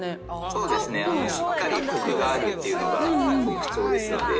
そうですね、しっかりコクがあるっていうのが特徴ですので。